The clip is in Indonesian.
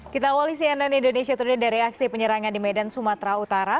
kita polisi yang dan indonesia tuduh dari aksi penyerangan di medan sumatera utara